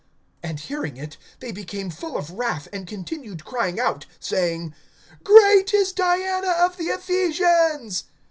(28)And hearing it, they became full of wrath, and continued crying out, saying: Great is Diana of the Ephesians.